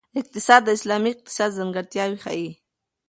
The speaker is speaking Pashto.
اقتصاد د اسلامي اقتصاد ځانګړتیاوې ښيي.